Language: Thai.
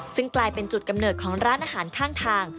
ซึ่งกลายเป็นจุดกำเนิดของร้านอาหารข้างทาง